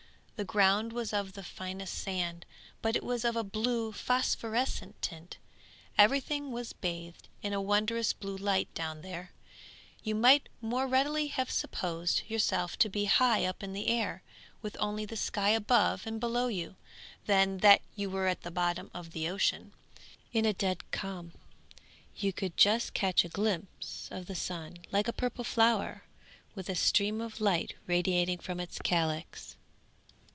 The ground was of the finest sand, but it was of a blue phosphorescent tint. Everything was bathed in a wondrous blue light down there; you might more readily have supposed yourself to be high up in the air, with only the sky above and below you, than that you were at the bottom of the ocean. In a dead calm you could just catch a glimpse of the sun like a purple flower with a stream of light radiating from its calyx.